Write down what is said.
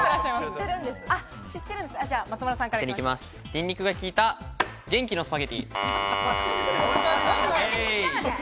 ニンニクが効いた元気なスパゲッティー。